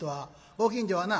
ご近所はな